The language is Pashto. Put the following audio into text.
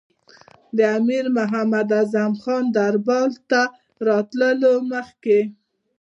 د امیر محمد اعظم خان دربار ته له راتللو مخکې.